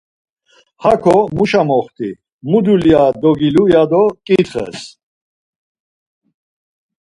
Hako muşa moxti, mu dulya dogilu ya do ǩitxes.